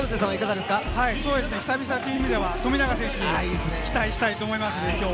久々という意味では富永選手にも期待したいと思います。